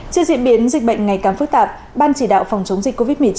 trước diễn biến dịch bệnh ngày càng phức tạp ban chỉ đạo phòng chống dịch covid một mươi chín